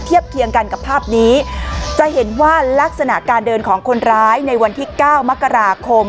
เทียบเคียงกันกับภาพนี้จะเห็นว่าลักษณะการเดินของคนร้ายในวันที่เก้ามกราคม